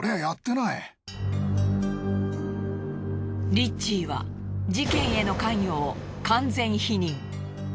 リッチーは事件への関与を完全否認。